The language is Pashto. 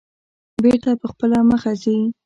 بېرته په خپله مخه ځي.